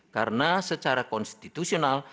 karena secara konstitusional